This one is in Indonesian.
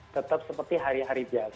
tetap seperti hari hari biasa